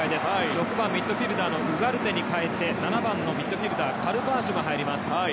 ６番ミッドフィールダーのウガルテに代えて７番ミッドフィールダーカルバージョが入ります。